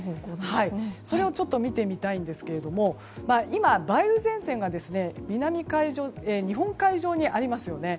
それを見てみたいんですけど今、梅雨前線が日本海上にありますよね。